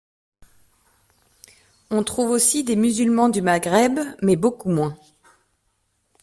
On trouve aussi des musulmans du Maghreb mais beaucoup moins.